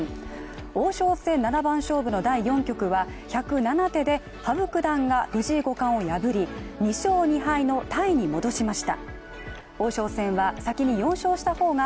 王将戦七番勝負の第４局は１０７手で羽生九段が藤井五冠を破り、２勝２敗のタイに戻しました。